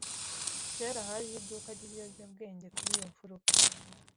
Kera hariho iduka ryibiyobyabwenge kuri iyo mfuruka.